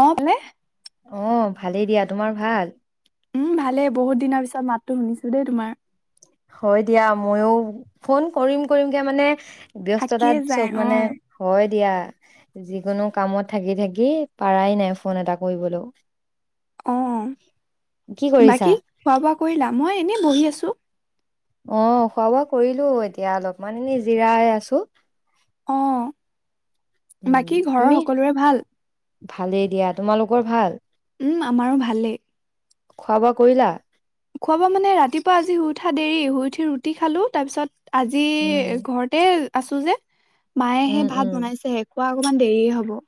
অ', বোলে। অ', ভালেই দিয়া, তোমাৰ ভাল? উম, ভালেই বহুত দিনৰ পিছত মাতো শুনিছো দেই তোমাৰ? হয়, দিয়া ময়ো ফোন কৰিম-কৰিম কে মানে থাকিয়ে ব্যস্ততাত যায় চব অ মানে হয়। দিয়া যিকোনো কামত থাকি-থাকি পাৰাই নাই ফোন এটা কৰিবলৈও। অ', কি কৰিছা? বাকী খোৱা-বোৱা কৰিলা? মই এনেই বহি আছো। অ', খোৱা-বোৱা কৰিলো, এতিয়া অলপমান এনে জিৰাই আছো। অঁ, উম, বাকী ঘৰৰ তুমি? সকলোৰে ভাল? ভালেই দিয়া। তোমালোকৰ ভাল? উম, আমাৰো ভালেই। খোৱা-বোৱা কৰিলা? খুৱা-বোৱা মানে ৰাতিপুৱা আজি শুই উঠাত দেৰি শুই উঠি ৰুটি খালো। তাৰপিছত আজি উম, ঘৰতে আছো যে। মায়ে উম, সে উম, ভাত বনাইছে হে খোৱা অকমান দেৰিয়ে হ'ব।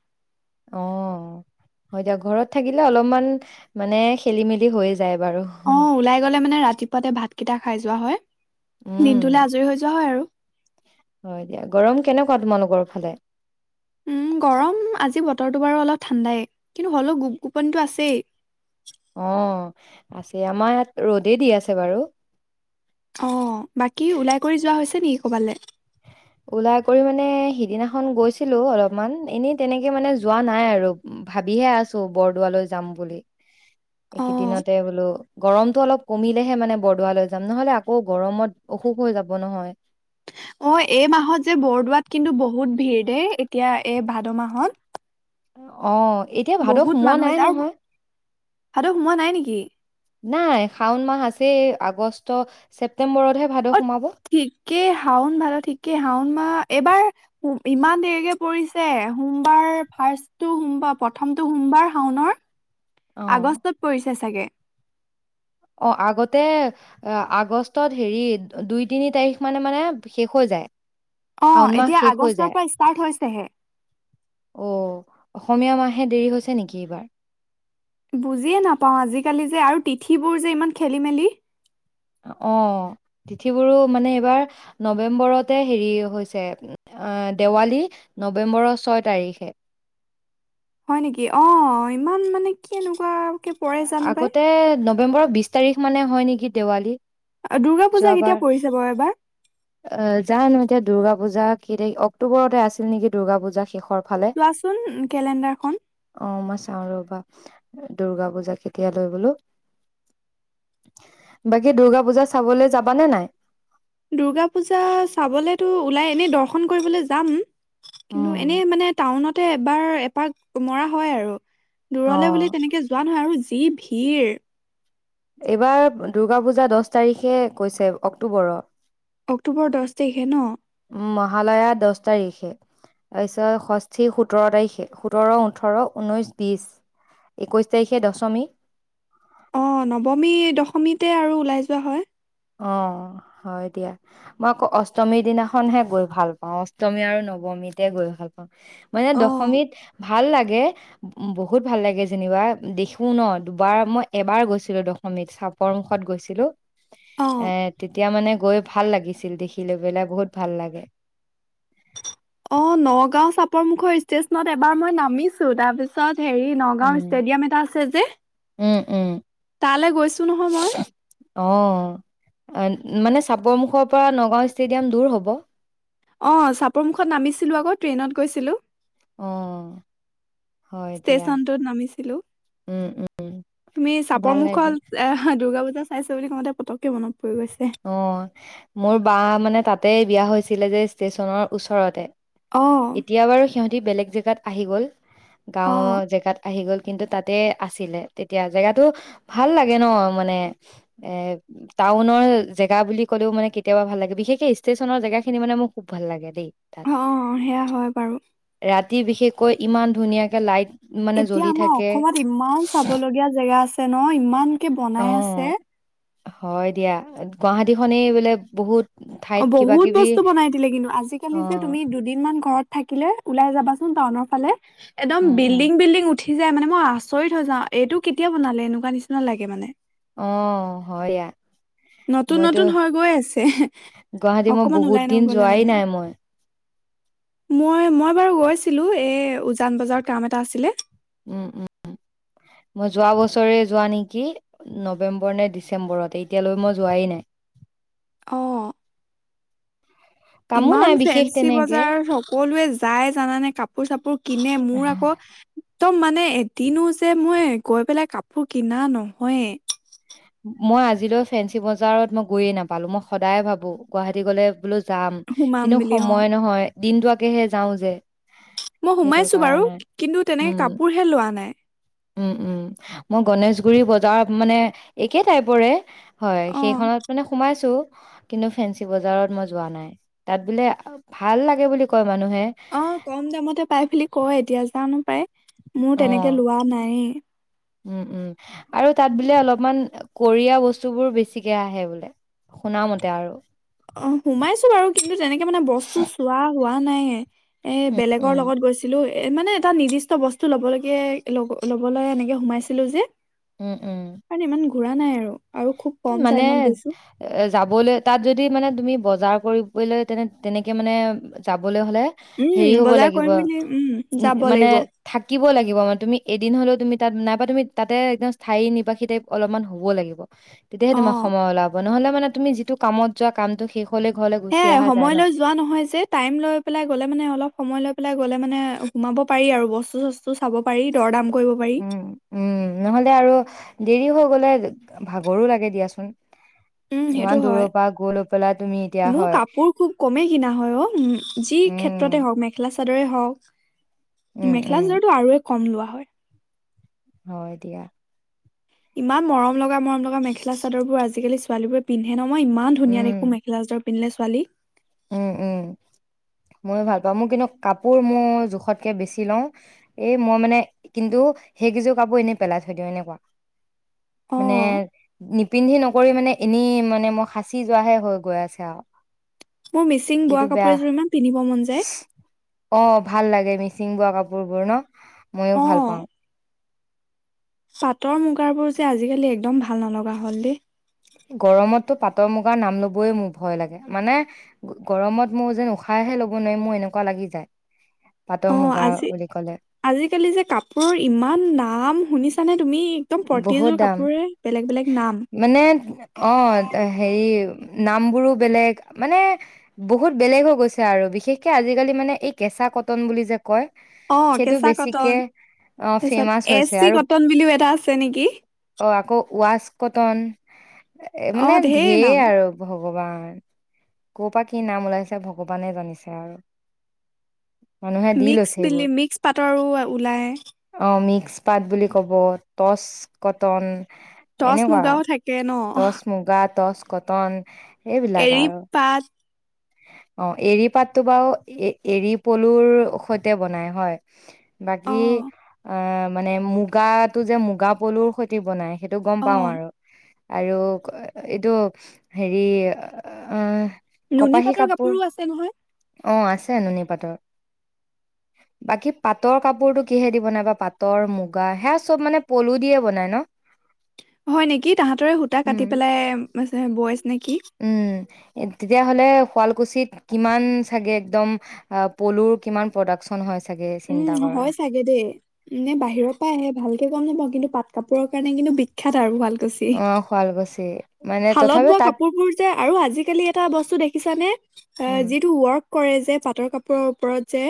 অ', হয় দিয়া ঘৰত থাকিলে অলপমান মানে খেলি মেলি হৈ য যায় বাৰু। অ ওলাই গ'লে মানে ৰাতিপুৱাতে ভাতকেইটা খাই যোৱা হয়। উম, দিনটোলৈ আজৰি হৈ যোৱা হয় আৰু। হয় দিয়া গৰম কেনেকুৱা তোমালোকৰ ফালে? উম গৰম আজি বতৰটো বাৰু অলপ ঠাণ্ডাই কিন্তু হ'লেও গোপ গোপনিটো আছেই। অ আছে আমাৰ ইয়াত ৰ'দেই দি আছে বাৰু অ বাকী ওলাই কৰি যোৱা হৈছে নি? ক'বালে ওলাই কৰি মানে সিদিনাখন গৈছিলো অলপমান এনে তেনেকে মানে যোৱা নাই আৰু ভাবিহে আছো বৰদোৱালৈ যাম বুলি অ', এইকেইদিনতে বোলো গৰমটো অলপ কমিলেহে মানে বৰদোৱালৈ যাম নহলে আকৌ গৰমত অসুখ হৈ যাব নহয় অ এই মাহত যে বৰদোৱাত কিন্তু বহুত ভিৰ দেই এতিয়া এই ভাদ মাহত। অ। এতিয়া ভাদ বহুত সোমোৱা মানুহ নাই হৈছে আৰু নহয়। ভাদ সোমোৱা নাই নেকি? নাই শাওন মাহ আছে আগষ্ট ছেপ্টেম্বৰ ছেপ্টেম্বৰত হে ভাদ সোমাব। কে', শাওন ভাদ ঠিকে শাওন মা এইবাৰ ইমান দেৰিকে পৰিছে সোমবাৰ ফাৰ্ষ্ট টো সোমবাৰ প্ৰথমটো সোমবাৰ শাওনৰ অ', আগষ্টত পৰিছে চাগে? অ', আগতে আগষ্টত হেৰি দুই তিনি তাৰিখ মানে মানে শেষ হৈ যায়। অ শাওণ মাহ এতিয়া শেষ হৈ যায়। আগষ্টৰ পৰা ষ্টাৰ্ট হৈছেহে অ অসমীয়া মাহে দেৰি হৈছে নেকি এইবাৰ বুজিয়ে নাপাওঁ আজিকালি যে আৰু তিথিবোৰ যে ইমান খেলি মেলি অ ', তিথিবোৰো মানে এইবাৰ নৱেম্বৰতে হেৰি হৈছে, দেৱালী নৱেম্বৰৰ ছয় তাৰিখে। হয় নেকি অ ইমান মানে কি এনেকুৱা। আগতে ন', নৱেম্বৰৰ বিশ তাৰিখ মানে হয় নেকি দেৱালী? দুৰ্গা পূজা যোৱাবাৰ কেতিয়া পৰিছে বাৰু এবাৰ? অ জানো এতিয়া দুৰ্গা পূজা কি তি অক্টোবৰতে আছিল নেকি দুৰ্গা পূজা শেৰ পৰা চো ৱাচোন কেলেণ্ডাৰখন? অ মই চাওঁ ৰ'বা। দুৰ্গা পূজা কেতিয়া লৈ বোলো, বাকী দুৰ্গা পূজা চাবলৈ যাবা নে নাই? দূৰ্গা পূজা চাবলেতো ওলাই এনেই দৰ্শন কৰিবলৈ যাম। উম কিন্তু এনেই মানে টাউনত তে এবাৰ এপাক মৰা হয় আৰু অ দূৰলে বুলি তেনেকে যোৱা নহয় আৰু যি ভিৰ এইবাৰ দুূৰ্গা পূজা দহ তাৰিখে কৈছে অক্টোবৰ অক্টোবৰৰ দহ তাৰিখে ন মহালয়া দহ তাৰিখে তাৰপিছত ষষ্ঠী সোতৰ তাৰিখে সোতৰ ওঠৰ ঊনৈশ বিশ একৈশ তাৰিখে দশমী অ নৱমী দশমীতে আৰু ওলাই যোৱা হয় অ হয় দিয়া মই আকৌ অষ্টমীৰ দিনাখনহে গৈ ভাল পাওঁ অষ্টমী আৰু নৱমীতে গৈ ভাল পাওঁ মানে অ' দশমীত ভাল লাগে বহুত ভাল লাগে যেনিবা দেখো ন' দুবাৰ মই এবাৰ গৈছিলো দশমীত চাপৰ মুুখত গৈছিলো। এ অ'। তেতিয়া মানে গৈ ভাল লাগিছিল দেখি লৈ পেলাই বহুত ভাল লাগে। অ' নগাঁও চাপৰ মুখৰ ষ্টেচনত এবাৰ মই নামিছো তাৰপিছত হেৰি নগাঁও উম ষ্টেডিয়াম এটা আছে যে। উম -উম তালৈ গৈছো নহয় মই। অ' মানে চাপৰমুখৰ পৰা নগাঁও ষ্টেডিয়াম দূৰ হ'ব। অ 'চাপৰমুখত নামিছিলো আকৌ ট্ৰেইনত গৈছিলো। অ' হয় দিয়া ষ্টেচনটোত নামিছিলো উম উম তুমি চাপৰ ভাল লাগে মুুখত দুৰ্গা পুজা চাইছে বুলি কওঁতে পতকে অ 'মোৰ বা মানে তাতে বিয়া হৈছে ছিলে যে ষ্টেচনৰ ওচৰতে। অ এতিয়া বাৰু সিহঁতি বেলেগ। জেগাত আহি গ'ল। অ গাঁওৰ জেগাত আহি গ'ল। কিন্তু তাতে আছিলে তেতিয়া জেগটো ভাল লাগে ন মানে এ' টাউনৰ জেগা বুলি ক'লেও মানে কেতিয়াবা ভাল লাগে বিশেষকে ষ্টেশচনৰ জেগা খিনি মানে মোৰ খুব ভাল লাগে দেই। তাত অ' সেয়া হয় বাৰু। ৰাতি বিশেষকৈ ইমান ধুনীয়াকৈ লাইট মানে এতিয়া জ্বলি আমাৰ থাকে অসমত ইমান চাব লগগীয়া জেগা আছে ন ইমানকে বনাই অ' আছে। হয় দিয়া গুৱাহাটীখনেই বোলে বহুত অ' ঠাইত কিবা বহুত কিবি বস্তু বনাই দিলে কিন্তু অ আজিকালি যে তুমি দুদিনমান ঘৰত থাকিলে ওলাই যাবাচোন টাউনৰ ফালে। একদম উম উম বিল্ডিং বিল্ডিং উঠ উঠি যায় মানে মই আচৰিত হৈ যাওঁ এইটো কেতিয়া বনালে এনেকুৱা নিচিনা লাগে মানে। অ 'হয় নতুন মইতো -নতুন হৈ গৈ আছে, গুৱাহাটী মই অকমান বহুত ওলাই দিন নগলে যোৱাই মানে। নাই মই মই- মই বাৰু গৈছিলো এ উজান বজাৰত কাম এটা আছিলে। উ - উ মই যোৱা বছৰে যোৱা নেকি নৱেম্বৰ নে ডিচেম্বতে এতিয়ালৈ মই যোৱাই নাই। অ' কামো নাই ইমান বিশেষ ফেঞ্চি তেনেকে বজাৰত সকলোৱে যায় জানানে কাপোৰ চাপোৰ কিনে মোৰ আকৌ একদম মানে এদিনো যে মই গৈ পেলাই কাপোৰ কিনা নহয়ে। মই আজিলৈ ফেন্সি বজাৰত মই গৈয়ে নাপালোঁ মই সদায় ভাবোঁ গুৱাহাটী গ'লে বোলো যাম সোমাম কিন্তু বুলি অ সময় নহয়। দিনটোৱাকেহে যাওঁ যে। মই সেইটো সোমাইছো বাৰু কাৰণে কিন্তু তেনেকে কাপোৰহে লোৱা নাই। উম-উম মই গণেশগুৰি বজাৰত মানে একে টাইপৰে হয়, অ সেইখনত মানে সোমাইছো। কিন্তু ফেঞ্চি বজাৰত মই যোৱা নাই তাত বোলে ভাল লাগে বুলি ক অ', কম দামতে পাই ফেলি কয় এতিয়া জানো? পাই মোৰ তেনেকে লোৱা নাই। উম-উম আৰু তাত বোলে অলপমান কৰীয়া বস্তুবোৰ বেছিকে আহে বোলে শুনা মতে আৰু। অ', সোমাইছো বাৰু কিন্তু তেনেকে মানে বস্তু চোৱা হোৱা ন নাই। এ বেলেগৰ উম, লগত গৈছিলো। এ মানে এটা নিৰ্দিষ্ট বস্তু ল'বলৈকে ল'বলৈ এনেকে সোমাইছিলো যে? উম-উম, কাৰণ ইমান ঘূৰা নাই আৰু। খুব কম মানে টাইমত গৈছো এ যাবলৈ তাত যদি মানে তুমি বজাৰ কৰি কৰিব'লৈ, তেনে তেনেকে মানে যাব হে উম হব বজাৰ লাগ কৰিম বুলি উম যাব মানে লাগিব থাকি লাগ কিবা মানে তুমি এদিন হলেও তুমি তাত নাইবা তুমি তাতে একদম স্থায়ী নিবাসী টাইপ অলপমান হবও লাগিব। তেতিয়াহে অ তোমাক সময় ওলাব নহ'লে মানে তুমি যিটো কামত যোৱা কামটো শেষ হ'লে ঘৰলে সে গুচি আহা যায় সময় ন। লৈ যোৱা নহয় যে টাইম লৈ পেলাই গলে মানে অলপ সময় লৈ পেলাই গলে মানে সোমাব পাৰি, আৰু বস্তু-চস্তু চাব পাৰি দৰ দাম কৰিব পাৰি উম-উম নহলে আৰু দেৰি হৈ গ'লে ভাগৰো লাগে দিয়াচোন উম, ইমান সেইটো দূৰৰ হয়। পৰা গৈ লৈ পেলাই তুমি এতিয়া মোৰ হয়, কাপোৰ খুব কমেই কিনা হয় অ', উ যি উম, ক্ষেত্ৰতে হওঁক মেখেলা চ চাদৰে হওক। উম, উম, মেখেলা চাদৰতো আৰু কম লোৱা হয়। হয় দিয়া। ইমান মৰম লগা, মৰম লগা, মেখেলা চাদৰ বোৰ, আজিকালি ছোৱালী বোৰে পিন্ধে ন। মই ইমান ধুনীয়া উম, দেখো মেখেলা চাদৰ পিন্ধীলে ছোৱালীক। উম, উম, ময়ো ভাল পাওঁ, মোৰ কিন্তু কাপোৰ মোৰ জোখতকে বেছি লওঁ। এই মই মানে কিন্তু সেইকেইযোৰ কাপোৰ এনেই পেলাই থৈ দিওঁ, এনেকুৱা অ মানে নিপিন্ধি নকৰি মানে এনেই মানে মই সাঁচি যোৱাহে হৈ গৈ আছে আৰু। মোৰ মিচিং বোৱা সেইটো কাপোৰ বেয়া এযোৰ ইমান পিন্ধিব মন যায়। অ' ভাল লাগে মিচিং বোৱা কাপোৰবোৰ ন' মইয়ো অ ভাল পাওঁ। পাটৰ মুগাৰ বোৰ যে আজিকালি একদম ভাল নলগা হল দেই। তো পাটৰ মুগাৰ নাম লবয় মোৰ ভয় লাগে, মানে গৰমত মোৰ যেন উশাহহে ল'ব নোৱাৰি মোৰ এনেকুৱা লাগি যায়। পাটৰ অ' মুগাৰ আজি বুলি ক'লে আজিকালি যে কাপোৰৰ ইমান নাম শুনিছে? তুমি একদম বহুত প্ৰতিযোৰ দাম কাপোৰে বেলেগ বেলেগ নাম। মানে অ হেৰি নামবোৰো বেলেগ মানে বহুত বেলেগ হৈ গৈছে আৰু বিশেষকে আজিকালি মানে এই কেঁচা কটন বুলি যে কয়। কয় অ সেইটো কেঁচা বেছিকে কটন তাৰপিছত ফেমাচ এছ হৈছে চি আৰু কটন বুলিও এটা আছে নেকি অ' আকৌ ৱাচ কটন এ অ মানে ঢেৰ ধেৰ নাম আৰু ভগৱান ক' পৰা কি নাম ওলাইছে ভগৱানে জানিছে আৰু! মানুহে দি মিক্স লৈছে বিল এইবোৰ মিক্স পাতৰো ওলায়। এক্সপাৰ্ট বুলি ক'ব। টচ কটন, টচ এনেকুৱা মুগাও থাকে ন? টচ মুগা টচ কটন এইবিলাক আৰু এৰিপাত অ' এৰী পাতটো বাৰু এ এৰী পলুৰ সৈতে বনাই হয়। অ বাকী অ ' মানে মুগাত টো যে মুগা পলুৰ সৈতে বনাই সেইটো গম অ পাও আৰু। আৰু এইটো হেৰি এ নুনী পাটৰ কাপোৰো আছে নহয় অ' আছে নুনী পাটৰ বাকী পাটৰ কাপোৰতটো কিহে দিব নাইবা পাটৰ মুগা সাজ চব মানে পলু দিয়ে বনাই ন হয় নেকি? তাহতৰে সূতা উম কাটি পেলাই বয় নেকি? উম তেতিয়াহ'লে শুৱালকুছিত কিমান চাগে একদম পলুৰ কিমান প্ৰডাকচন হয়? চাগে চিন্তা উম, কৰা হয় চাগে দেই নে বাহিৰৰ পৰা আহে ভালকে গম নাপাও কিন্তু পাট কাপোৰৰ কাৰণে কিন্তু বিখ্যাত আৰু শুৱালকুছি অ' শুৱালকুছি মানে শালত তথাপিও বোৱা তাত কাপোৰ বোৰ যে আৰু আজিকালি এটা বস্তু দেখিছানে উম যিটো ৱৰ্ক কৰে যে যে পাটৰ কাপোৰৰ ওপৰত যে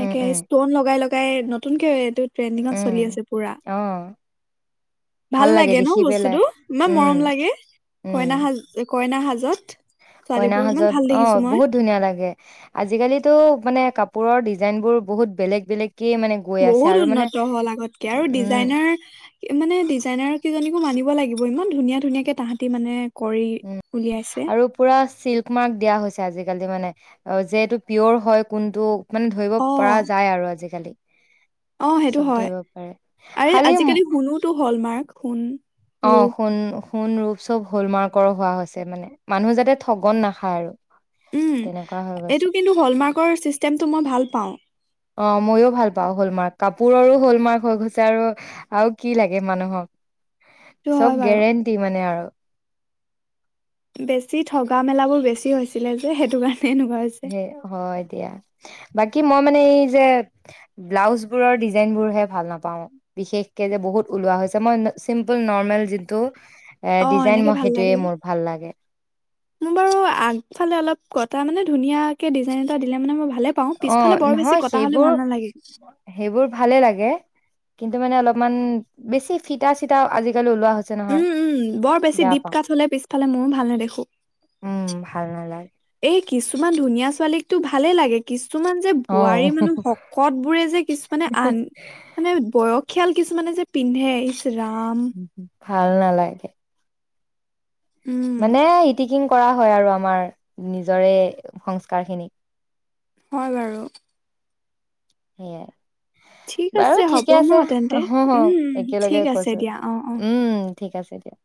উম উম ষ্টন লগাই লগ কাই নতুনকে ট্ৰেণ্ডিঙত উম চলি আছে পুৰা, অ ভাল লাগে ন বস্তুতটো ইমান উম মৰম লাগে। উম কইনসাজ একো কইনা সাজত কইনা ছোৱালীবোৰক ইমান সাজত ভাল দেখিছো অ', মই বহুত ধুনীয়া লাগে আজিকালিতো মানে কাপোৰৰ ডিজাইন বোৰ বহুত বেলেগ- বেলেগ বহুত উন্নত হল আগতকে আৰু উম ডিজাইনাৰ, মানে ডিজাইনাৰ কিজনী মানিব লাগিব ইমান ধুনীয়া -ধুনীয়াকে তাহাঁতি মানে কৰি উলিয়াইছে আৰু পুৰা চিল্ক মাৰ্ক দিয়া হৈছে আজিকালি আজিকালি মানে অ', যে এহটো পিয়ৰ হয় কোনটো মানে ধৰিব অ পৰা যায় আৰু আজিকালি। অ', সেইটো চব হয় ধৰিব পাৰে আৰে খালি আজিকালি সোনোতো হ'ল মাৰ্ক। সোণ অ', ৰূপ সোণ সোণ ৰূপ চব হলমাৰ্কৰো হোৱা হৈছে মানে, মানুহ যাতে ঠগন নাখায় আৰু। উম', তেনেকুৱা হৈ গৈছে এইটো কিন্তু হলমাৰ্কৰ ছিষ্টেমটো মই ভাল পাওঁ। অ', মইয়ো ভাল পাওঁ হ'ল মাৰ্ক কাপোৰৰো হল মাৰ্ক হৈ গৈছে আৰু আৰু কি লাগে মানুহক। সেইটো হয় চব বাৰু গেৰেণ্টি মানে আৰু বেছি ঠগা মেলাাবোৰ বেছি হৈছিলে যে সেইটো কাৰণে এনেকুৱা হৈছে সেই', হয় দিয়া বাকী কি মই মানে এই যে ব্লাউজ বোৰৰ ডিজাইনবোৰহে ভাল নাপাওঁ বিশেষকে যে বহুত ওলোৱা হৈছে মই চিম্পুল নৰ্মেল যিটো অ', এনেকে ভাল লাগে, লাগে মোৰ বাৰু আগফালে অলপ কত তটা মানে ধুনীয়াকে ডিজাইন এটা দিলে মানেই ভাল অ', নহয় সেইবোৰ নালাগে সেইবোৰ ভালে লাগে। কিন্তু মানে অলপমান বেছি ফিটা চিতা আজিকালি। ওলোৱা হৈছে নহয় উম', - উম', বৰ বেছি বেয়া দীপ পাওঁ কাঠ হলে পিছফালে ময়ো ভাল নে দেখো উম ভাল নালাগে এই কিছুমান ধুনীয়া ছোৱালীকতো ভালেই লাগে কিছু কিছুমান যে অ বোৱাৰী মানুহ শকত বোৰে যে কিছুমানে আন, মানে বয়স খিয়াল কিছুমানে যে পিন্ধে ইচ্ ৰাম ভাল নালাগে? উম মানে ইতি কিন কৰা হয় আৰু আমাৰ নিজৰে সংস্কাৰখিনি। হয় বাৰু সেইয়া ঠিক আছে বাৰু হ'ব ঠিকে ন আছে তেন্তে উম উম ঠিক একেলগে আছে কৈছো দিয়া অ অ উম ঠিক আছে দিয়া।